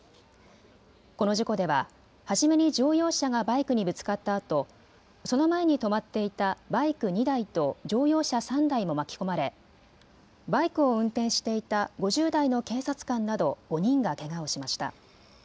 この事故では初めに乗用車がバイクにぶつかったあとその前に止まっていたバイク２台と乗用車３台も巻き込まれバイクを運転していた５０代の警察官など５人がけがをしました。